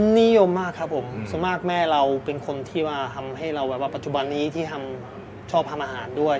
นิยมมากครับผมส่วนมากแม่เราเป็นคนที่ว่าทำให้เราแบบว่าปัจจุบันนี้ที่ชอบทำอาหารด้วย